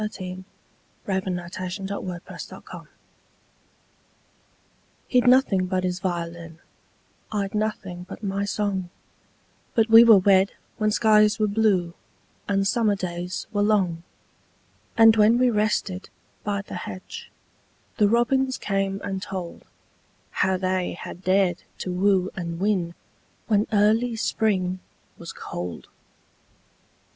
By Mary KyleDallas 1181 He 'd Nothing but His Violin HE 'D nothing but his violin,I 'd nothing but my song, But we were wed when skies were blueAnd summer days were long; And when we rested by the hedge, The robins came and toldHow they had dared to woo and win, When early Spring was cold.